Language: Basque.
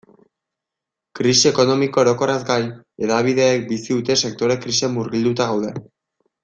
Krisi ekonomiko orokorraz gain, hedabideek bizi duten sektore-krisian murgilduta gaude.